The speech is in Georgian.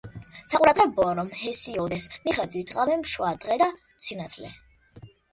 საყურადღებოა, რომ ჰესიოდეს მიხედვით, ღამემ შვა დღე და სინათლე.